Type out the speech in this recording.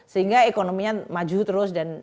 sehingga ekonominya maju terus